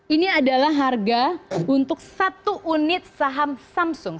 ini adalah harga untuk satu unit saham samsung